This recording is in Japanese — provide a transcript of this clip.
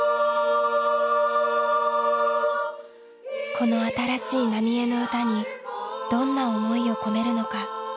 この新しい浪江の歌にどんな思いを込めるのか。